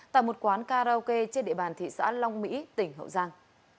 tại một quán karaoke trên địa bàn thị xã long mỹ tỉnh hậu giang